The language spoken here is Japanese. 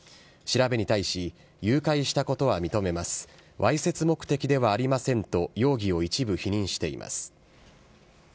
調べに対し、誘拐したことは認めます、わいせつ目的ではありませんと、容疑を一部否認しています。